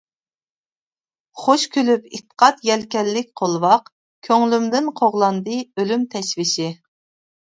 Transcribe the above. خۇش كۈلۈپ ئېتىقاد يەلكەنلىك قولۋاق، كۆڭلۈمدىن قوغلاندى ئۆلۈم تەشۋىشى.